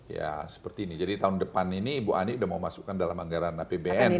ya seperti ini jadi tahun depan ini ibu ani sudah mau masukkan dalam anggaran apbn